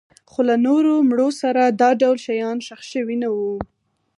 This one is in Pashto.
خو له نورو مړو سره دا ډول شیان ښخ شوي نه وو